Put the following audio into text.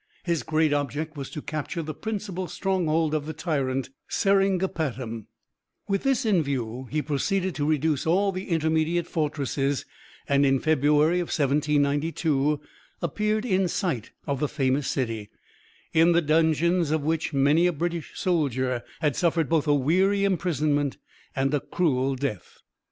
His great object was to capture the principal stronghold of the tyrant, Seringapatam; with this in view he proceeded to reduce all the intermediate fortresses, and in February, 1792, appeared in sight of the famous city, in the dungeons of which many a British soldier had suffered both a weary imprisonment and a cruel death.